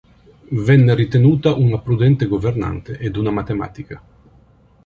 Venne ritenuta una prudente governante ed una matematica.